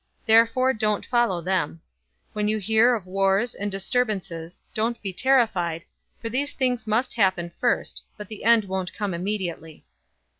Therefore don't follow them. 021:009 When you hear of wars and disturbances, don't be terrified, for these things must happen first, but the end won't come immediately."